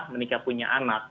menikah punya anak